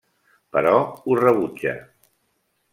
Però ho rebutja.